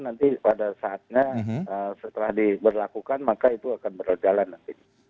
nanti pada saatnya setelah diberlakukan maka itu akan berjalan nanti